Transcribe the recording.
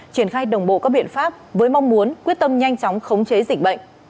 triển khai đồng bộ các biện pháp với mong muốn quyết tâm nhanh chóng khống chế dịch bệnh